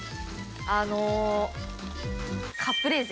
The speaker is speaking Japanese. あの、カプレーゼ。